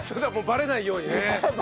バレないように。